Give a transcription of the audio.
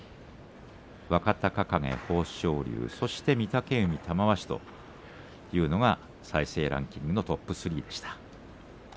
若隆景と豊昇龍そして御嶽海、玉鷲というのが再生ランキングのトップ３でした。。